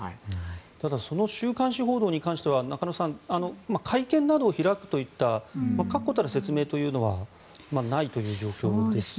ただその週刊誌報道に関しては中野さん会見などを開くといった確固たる説明というのはないという状況ですね。